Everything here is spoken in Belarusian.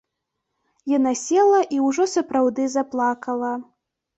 Яна села і ўжо сапраўды заплакала.